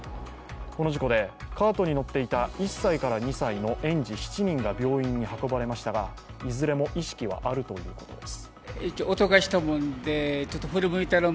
この事故でカートに乗っていた１歳から２歳の園児７人が病院に運ばれましたが、いずれも意識はあるということです。